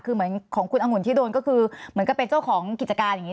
คือเหมือนของคุณองุ่นที่โดนก็คือเหมือนกับเป็นเจ้าของกิจการอย่างนี้